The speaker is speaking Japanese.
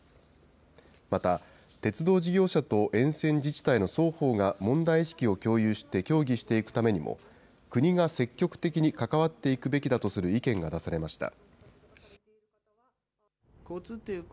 また、鉄道事業者と沿線自治体の双方が問題意識を共有して協議していくためにも、国が積極的に関わっていくべきだとする意見が出されました。